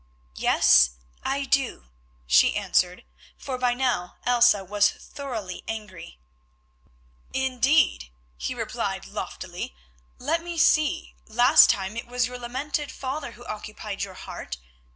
"Yes, I do," she answered, for by now Elsa was thoroughly angry. "Indeed," he replied loftily. "Let me see; last time it was your lamented father who occupied your heart.